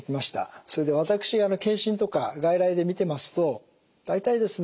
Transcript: それで私健診とか外来で診てますと大体ですね